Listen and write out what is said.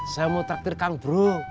saya mau taktir kang bro